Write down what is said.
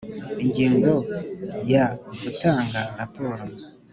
Ingingo ya gutanga raporo